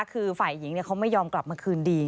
คือฝ่ายหญิงเขาไม่ยอมกลับมาคืนดี